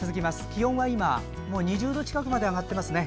気温は今２０度近くまで上がっていますね。